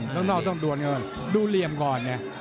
ตรงนอกต้องด่วนก่อนดูเหลี่ยมก่อน